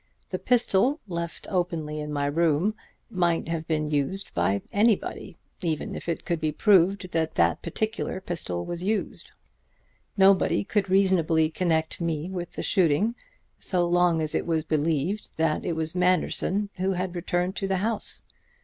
The pistol, left openly in my room, might have been used by anybody, even if it could be proved that that particular pistol was used. Nobody could reasonably connect me with the shooting so long as it was believed that it was Manderson who had returned to the house.